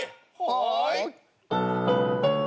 はい。